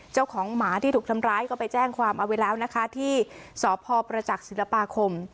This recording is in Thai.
เจ้าของหมาที่ถูกทำร้ายก็ไปแจ้งความเอาไว้แล้วนะคะที่สพประจักษ์ศิลปาคม